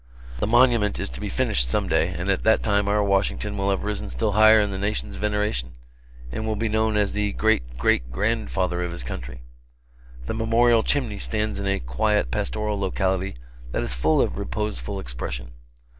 The Monument is to be finished, some day, and at that time our Washington will have risen still higher in the nation's veneration, and will be known as the Great Great Grandfather of his Country. The memorial Chimney stands in a quiet pastoral locality that is full of reposeful expression.